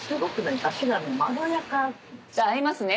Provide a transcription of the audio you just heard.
じゃあ合いますね